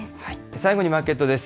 最後にマーケットです。